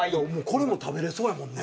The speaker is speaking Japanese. これも食べられそうやもんね。